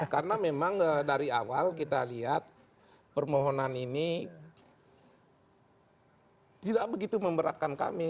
karena memang dari awal kita lihat permohonan ini tidak begitu memberatkan kami